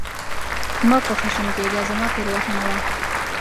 مه په خښم کېږه ، زما تېروتنه وه !